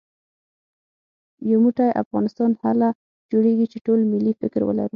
يو موټی افغانستان هله جوړېږي چې ټول ملي فکر ولرو